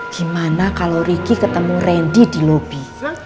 gimana kalo riki ketemu randy di lobby